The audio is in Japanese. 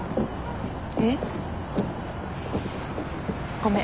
ごめん。